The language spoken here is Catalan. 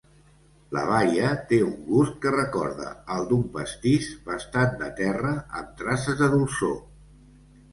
La baia té un gust que recorda al d'un pastís, bastant de terra amb traces de dolçor.